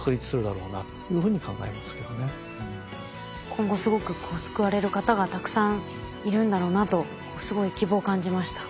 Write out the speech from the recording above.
今後すごく救われる方がたくさんいるんだろうなとすごい希望を感じました。